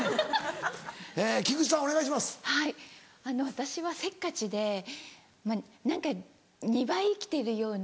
私はせっかちで何か２倍生きてるような。